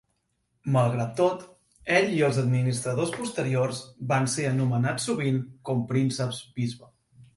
Malgrat tot, ell i els administradors posteriors van ser anomenats sovint com prínceps-bisbe.